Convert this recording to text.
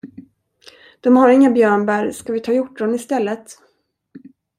De har inga björnbär, ska vi ta hjortron istället?